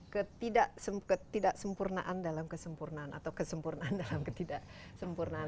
ketidaksempurnaan dalam kesempurnaan atau kesempurnaan dalam ketidaksempurnaan